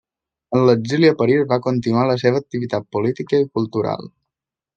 En l'exili a París va continuar la seua activitat política i cultural.